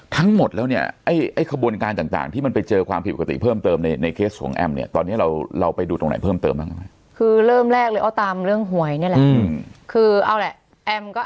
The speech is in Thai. ทั้งหมดแล้วไอ้ขบวนการต่างที่มันไปเจอความผิดปกติเพิ่มเติม